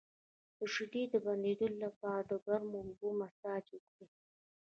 د شیدو د بندیدو لپاره د ګرمو اوبو مساج وکړئ